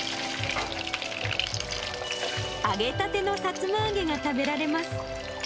揚げたてのさつま揚げが食べられます。